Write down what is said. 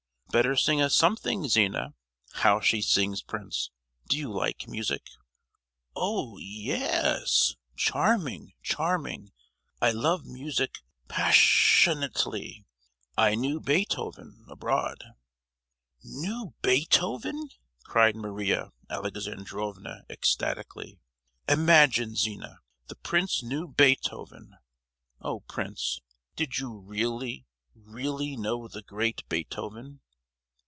"Better sing us something, Zina. How she sings, prince! Do you like music?" "Oh, ye—yes! charming, charming. I love music pass—sionately. I knew Beethoven, abroad." "Knew Beethoven!" cried Maria Alexandrovna, ecstatically. "Imagine, Zina, the prince knew Beethoven! Oh, prince, did you really, really know the great Beethoven?"